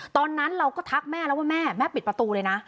ตอนนั้นเราก็ทักแม่แล้วว่าแม่แม่ปิดประตูเลยนะ